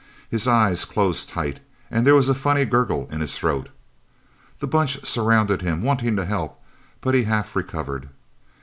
His eyes closed tight, and there was a funny gurgle in his throat. The Bunch surrounded him, wanting to help, but he half recovered.